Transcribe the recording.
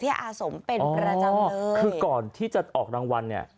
อาสมเป็นประจำคือก่อนที่จะออกรางวัลเนี่ย